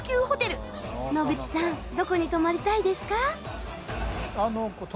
野口さんどこに泊まりたいですか？